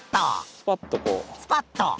スパッと！